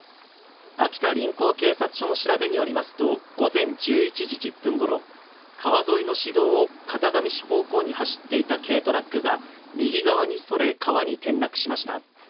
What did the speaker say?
秋田臨港警察署の調べによりますと、午前１１時１０分ごろ、川沿いの市道を潟上市方向に走っていた軽トラックが右側にそれ、川に転落しました。